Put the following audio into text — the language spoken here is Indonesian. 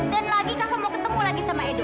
dan lagi kava mau ketemu lagi sama edo